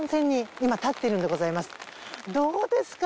どうですか？